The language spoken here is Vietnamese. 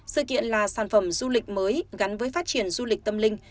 sự kiện là sản phẩm du lịch mới gắn với phát triển du lịch tâm linh